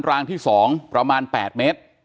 รางที่๒ประมาณ๘เมตร